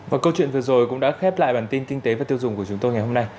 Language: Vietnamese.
và câu chuyện vừa rồi cũng đã khép lại bản tin kinh tế và tiêu dùng của chúng tôi ngày hôm nay